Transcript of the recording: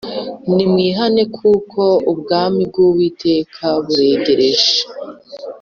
‘‘Nimwihane ; kuko ubwami bw’Uwiteka buregereje.